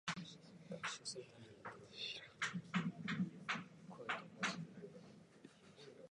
タンザニアの首都はドドマである